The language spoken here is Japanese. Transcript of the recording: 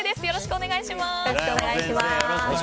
よろしくお願いします。